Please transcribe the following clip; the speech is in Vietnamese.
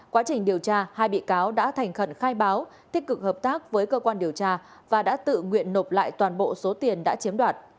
quá trình điều tra hai bị cáo đã thành khẩn khai báo tích cực hợp tác với cơ quan điều tra và đã tự nguyện nộp lại toàn bộ số tiền đã chiếm đoạt